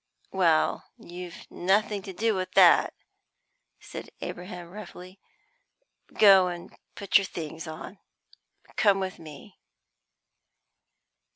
"Well, you've nothing to do with that," said Abraham roughly. "Go and put your things on, and come with me."